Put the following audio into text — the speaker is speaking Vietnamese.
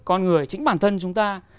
con người chính bản thân chúng ta